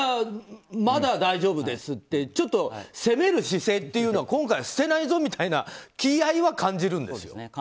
まだ大丈夫ですってちょっと攻める姿勢というのは今回捨てないぞという気合は感じるんですよね。